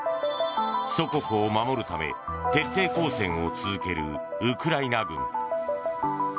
祖国を守るため徹底抗戦を続けるウクライナ軍。